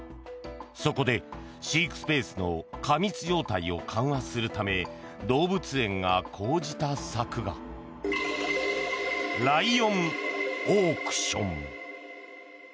そこで飼育スペースの過密状態を緩和するため動物園が講じた策がライオンオークション。